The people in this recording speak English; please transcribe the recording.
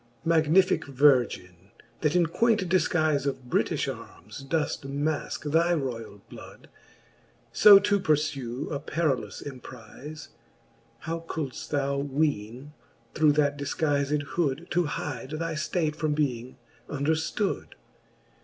Magnificke Virgin, that in queint difguife Of Britifh armes doeft maske thy royall blood, So to purfue a perillous emprize. How coiilft thou weene, through that difguized hood^ To hide thy ftate from being underftood